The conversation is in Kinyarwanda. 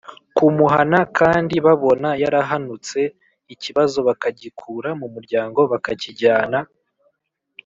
kumuhana kandi babona yarahanutse ikibazo bakagikura mu muryango bakakijyana